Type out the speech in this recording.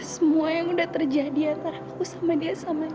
semua yang udah terjadi antara aku sama dia sama dia